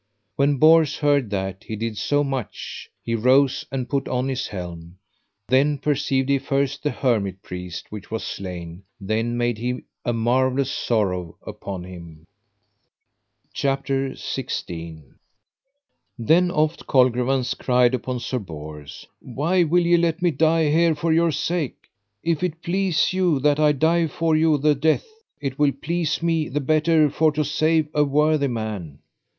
When Bors heard that, he did so much, he rose and put on his helm. Then perceived he first the hermit priest which was slain, then made he a marvellous sorrow upon him. CHAPTER XVI. How Sir Lionel slew Sir Colgrevance, and how after he would have slain Sir Bors. Then oft Colgrevance cried upon Sir Bors: Why will ye let me die here for your sake? if it please you that I die for you the death, it will please me the better for to save a worthy man.